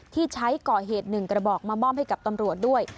ที่ใช้ก่อเหตุ๑กระบอกมามอบให้กับตำรวจด้วย